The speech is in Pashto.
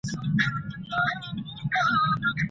خپل ټول معلومات په ډير ريښتيني ډول وړاندې کړئ.